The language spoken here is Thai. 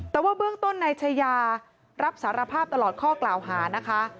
แต่ว่าเบื้องต้นนายชายารับสารภาพตลอดข้อกล่าวหานะคะ